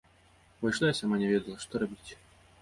Увайшла і сама не ведала, што рабіць.